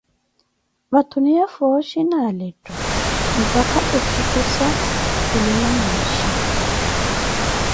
vatuniya fooshi na alettho, mpakha ojithuza kulela mansha.